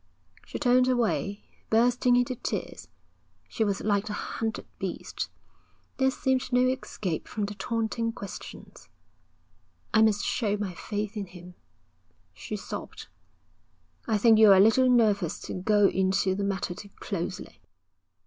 She turned away, bursting into tears. She was like a hunted beast. There seemed no escape from the taunting questions. 'I must show my faith in him,' she sobbed. 'I think you're a little nervous to go into the matter too closely.'